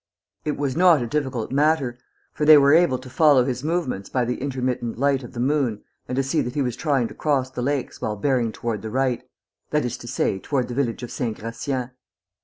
It was not a difficult matter, for they were able to follow his movements by the intermittent light of the moon and to see that he was trying to cross the lakes while bearing toward the right that is to say, toward the village of Saint Gratien.